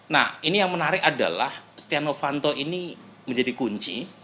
nah ini yang menarik adalah stianovanto ini menjadi kunci